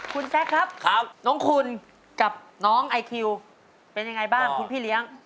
คุณแซคครับน้องคุณกับน้องไอคิวเป็นยังไงบ้างคุณพี่เลี้ยง